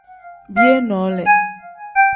Biyee noole.